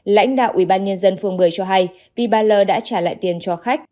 lãnh đạo ủy ban nhân dân phường bưởi cho hay vì bà l đã trả lại tiền cho khách